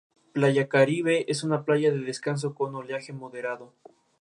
Playa Caribe es una playa de descanso con oleaje moderado.